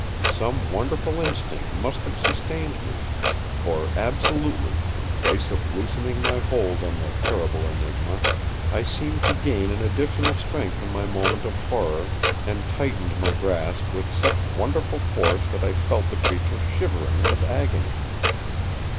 Some wonderful instinct must have sustained me; for absolutely, in place of loosening my hold on the terrible Enigma, I seemed to gain an additional strength in my moment of horror, and tightened my grasp with such wonderful force that I felt the creature shivering with agony.